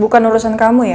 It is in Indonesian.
bukan urusan kamu ya